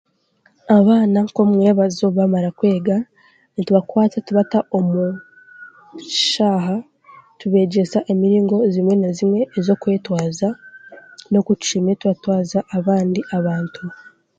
Abaana nk'omwebazyo baamara kwega tubakwate tubata omu kishaaha tubeegyesa emiringo zimwe na zimwe z'okwetwaza okutushemereire turatwaza abandi abantu